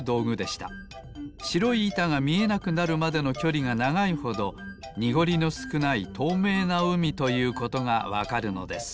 しろいいたがみえなくなるまでのきょりがながいほどにごりのすくないとうめいなうみということがわかるのです。